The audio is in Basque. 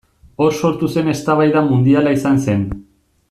Hor sortu zen eztabaida mundiala izan zen.